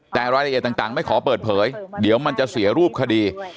แต่รายละเอียดต่างไม่ขอเปิดเผยเดี๋ยวมันจะเสียรูปคดี